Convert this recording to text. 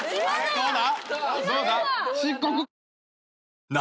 どうだ？